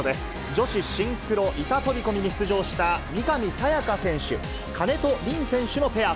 女子シンクロ板飛び込みに出場した三上紗也可選手、金戸凜選手のペア。